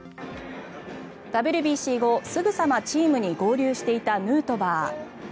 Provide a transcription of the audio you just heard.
ＷＢＣ後、すぐさまチームに合流していたヌートバー。